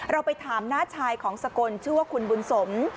ไปถามน้าชายของสกลชื่อว่าคุณบุญสม